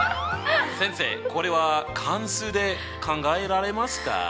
先生これは関数で考えられますか？